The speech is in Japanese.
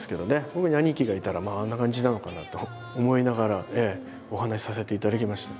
僕に兄貴がいたらあんな感じなのかなと思いながらお話しさせていただきました。